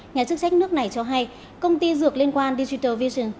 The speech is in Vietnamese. nhà chức trách nước này cho hay công ty dược liên quan digital vision